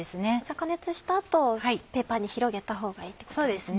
加熱した後ペーパーに広げたほうがいいってことですね。